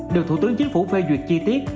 được thủ tướng chính phủ phê duyệt chi tiết